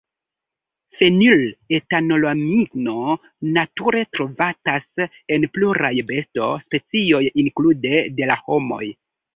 Fenil-etanolamino nature trovatas en pluraj besto-specioj, inklude de la homoj.